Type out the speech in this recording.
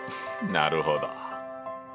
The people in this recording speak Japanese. なるほど！